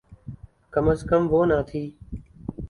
کم از کم وہ نہ تھی۔